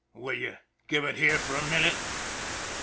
Will you give it here for a minute